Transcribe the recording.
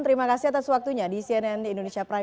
terima kasih atas waktunya di cnn indonesia prime